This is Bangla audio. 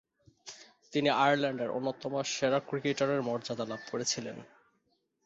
তিনি আয়ারল্যান্ডের অন্যতম সেরা ক্রিকেটারের মর্যাদা লাভ করেছিলেন।